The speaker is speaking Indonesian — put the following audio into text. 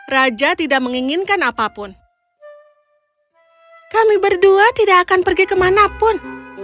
raja tidak menginginkan apapun kami berdua tidak akan pergi kemanapun